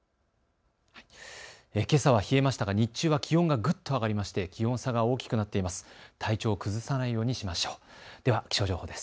けさは冷えましたが日中は気温がぐっと上がりまして気温差が大きくなっています。